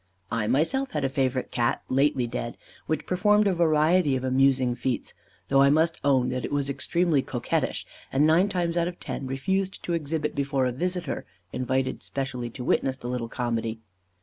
I myself had a favourite Cat, lately dead, which performed a variety of amusing feats, though I must own that it was extremely coquettish, and nine times out of ten refused to exhibit before a visitor, invited specially to witness the little comedy.